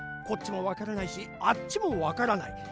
こっちもわからないしあっちもわからない。